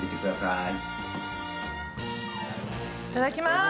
いただきます！